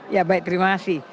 ya baik terima kasih